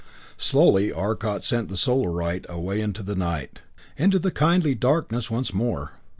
Slowly Arcot sent the Solarite away into the night into the kindly darkness once more.